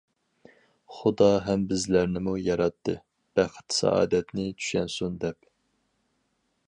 خۇدا ھەم بىزلەرنىمۇ ياراتتى، بەخت- سائادەتنى چۈشەنسۇن، دەپ.